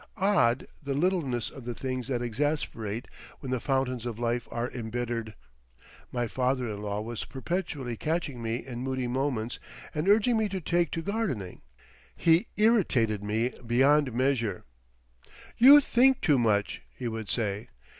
Odd the littleness of the things that exasperate when the fountains of life are embittered! My father in law was perpetually catching me in moody moments and urging me to take to gardening. He irritated me beyond measure. "You think too much," he would say.